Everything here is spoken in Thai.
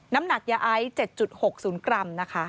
น้ำหนักยาไอ๗๖๐กรัมนะคะ